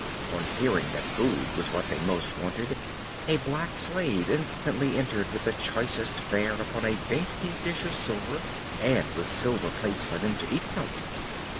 On hearing that food was what they most wanted, a black slave instantly entered with the choicest fare upon a dainty dish of silver, and with silver plates for them to eat from.